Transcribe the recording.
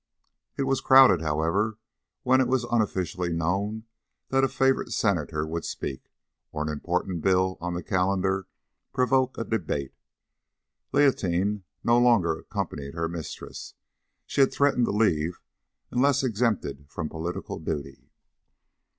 It was crowded, however, when it was unofficially known that a favourite Senator would speak, or an important bill on the calendar provoke a debate. Leontine no longer accompanied her mistress; she had threatened to leave unless exempted from political duty.